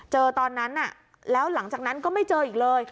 ตอนนั้นแล้วหลังจากนั้นก็ไม่เจออีกเลย